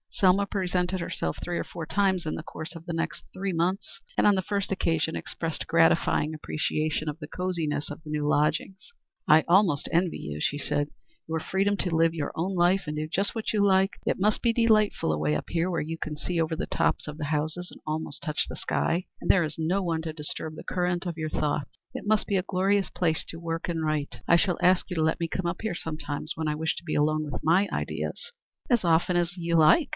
Selma presented herself three or four times in the course of the next three months, and on the first occasion expressed gratifying appreciation of the cosiness of the new lodgings. "I almost envy you," she said, "your freedom to live your own life and do just what you like. It must be delightful away up here where you can see over the tops of the houses and almost touch the sky, and there is no one to disturb the current of your thoughts. It must be a glorious place to work and write. I shall ask you to let me come up here sometimes when I wish to be alone with my own ideas." "As often as you like.